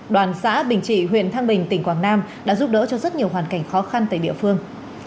đoàn xã bình trị huyện thăng bình tỉnh quảng nam đã giúp đỡ cho rất nhiều hoàn cảnh khó khăn tại địa phương